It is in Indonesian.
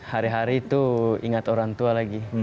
hari hari itu ingat orang tua lagi